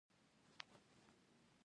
د قانون په تطبیق کي د خلکو ګټه ده.